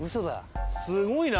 すごいな。